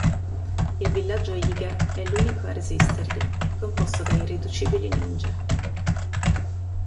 Il villaggio Iga è l'unico a resistergli, composto da irriducibili ninja.